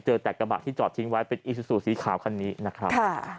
เจอแต่กระบะที่จอดทิ้งไว้เป็นอีซูซูสีขาวคันนี้นะครับ